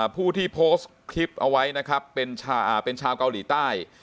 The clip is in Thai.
ผู้ที่โพสต์คลิปเอาไว้นะครับเป็นชาวเกาหลีใต้